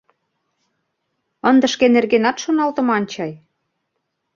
Ынде шке нергенат шоналтыман чай?